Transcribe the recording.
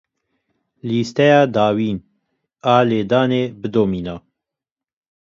Lîsteya dawîn a lêdanê bidomîne.